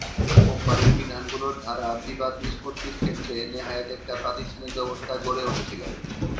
কোম্পানির বিধানগুলোর দ্বারা বিবাদ নিষ্পত্তির ক্ষেত্রে নেহায়েত একটা প্রাতিষ্ঠানিক ব্যবস্থা গড়ে উঠেছিল।